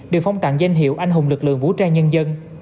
được phong tặng danh hiệu anh hùng lực lượng vũ trang nhân dân